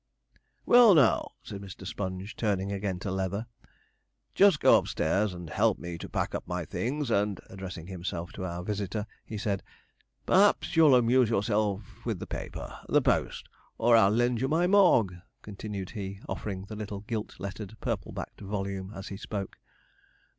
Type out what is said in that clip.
'Well, now,' said Mr. Sponge, turning again to Leather; 'just go upstairs and help me to pack up my things; and,' addressing himself to our visitor, he said, 'perhaps you'll amuse yourself with the paper the Post or I'll lend you my Mogg,' continued he, offering the little gilt lettered, purple backed volume as he spoke.